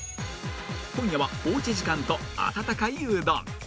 今夜はおうち時間と温かいうどん